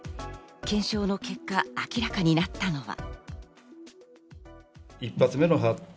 検証の結果、明らかになったのは。